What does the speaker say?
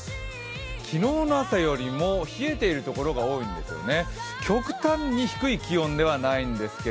昨日の朝よりも冷えているところが多いんですよね。